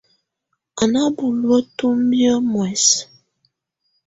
Ú ná buluǝ́ tumbiǝ́ muɛsɛ.